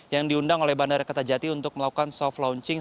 yang diundang oleh bandara kertajati untuk melakukan soft launching